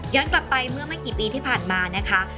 กลับไปเมื่อไม่กี่ปีที่ผ่านมานะคะ